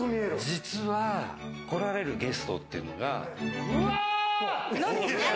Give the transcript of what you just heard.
実は、来られるゲストっていうわ！